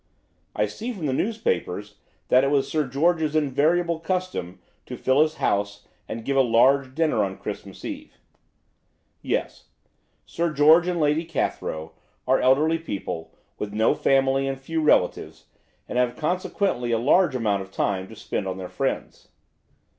"I see from the newspapers that it was Sir George's invariable custom to fill his house and give a large dinner on Christmas Eve." "Yes. Sir George and Lady Cathrow are elderly people, with no family and few relatives, and have consequently a large amount of time to spend on their friends."